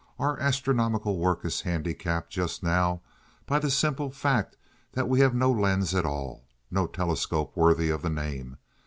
"Our astronomical work is handicapped just now by the simple fact that we have no lens at all, no telescope worthy of the name.